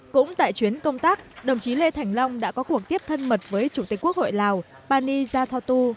cũng tại chuyến công tác đồng chí lê thành long đã có cuộc tiếp thân mật với chủ tịch quốc hội lào pani yathotu